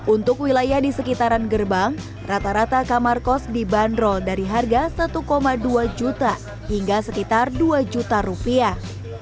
untuk wilayah di sekitaran gerbang rata rata kamar kos dibanderol dari harga satu dua juta hingga sekitar dua juta rupiah